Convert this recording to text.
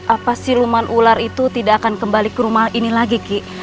apa siluman ular itu tidak akan kembali ke rumah ini lagi ki